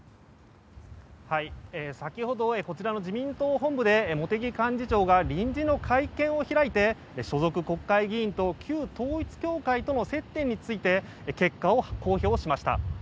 先ほどこちらの自民党本部で茂木幹事長が臨時の会見を開いて所属国会議員と旧統一教会との接点について結果を公表しました。